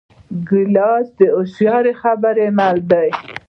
ګیلاس د هوښیارو خبرو مل دی.